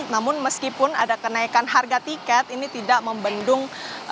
namun meskipun ada kenaikan harga tiket ini tidak membendung